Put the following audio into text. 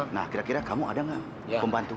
nah kira kira kamu ada nggak pembantu